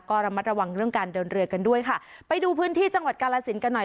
ก็ระมัดระวังเรื่องการเดินเรือกันด้วยค่ะไปดูพื้นที่จังหวัดกาลสินกันหน่อย